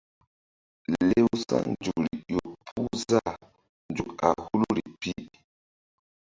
Lewsa̧ nzukri ƴo puh zah nzuk a huluri pi.